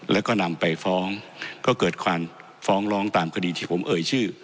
แล้วก็นำไปฟ้องก็เกิดความฟ้องร้องตามคดีที่ผมเอ่ยชื่อ